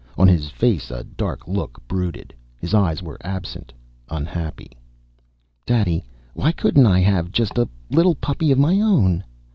On his face a dark look brooded. His eyes were absent, unhappy. "Daddy, why couldn't I have just a little puppy of my own?"